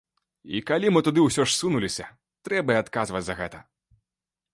І калі мы туды ўсё ж сунуліся, трэба і адказваць за гэта.